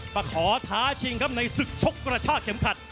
ประขอท้าชิงครับในศึกชกประชาชิมขัด